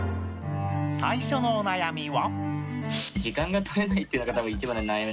最初のお悩みは？